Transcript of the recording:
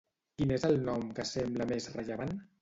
Quin és el nom que sembla més rellevant?